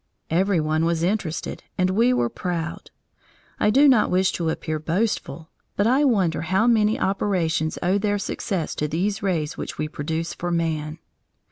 Every one was interested, and we were proud. I do not wish to appear boastful, but I wonder how many operations owe their success to these rays which we produce for man.